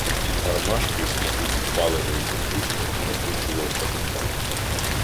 Дід Гармаш при світлі підпаленої теплушки накручував патефон.